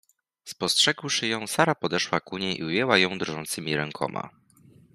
Spostrzegłszy ją Sara podeszła ku niej i ujęła ją drżącymi rękoma.